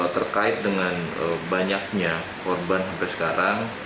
terkait dengan banyaknya korban sampai sekarang